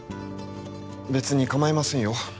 別にかまいませんよ